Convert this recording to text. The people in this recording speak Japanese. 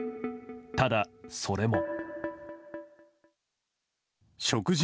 ただ、それも。